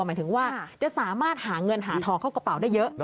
หมายถึงว่าจะสามารถหาเงินหาทองเข้ากระเป๋าได้เยอะ